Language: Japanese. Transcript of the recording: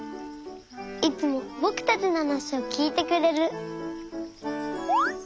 いつもぼくたちのはなしをきいてくれる。